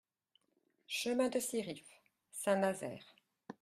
Chemin de Siriff, Saint-Nazaire